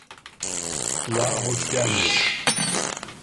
Kulağa hoş gelmiyor.